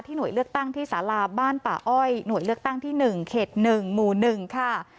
หน่วยเลือกตั้งที่สาราบ้านป่าอ้อยหน่วยเลือกตั้งที่๑เขต๑หมู่๑ค่ะ